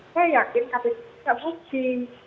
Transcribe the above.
saya yakin kak fika bukti